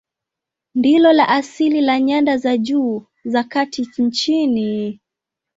Ndilo la asili la nyanda za juu za kati nchini.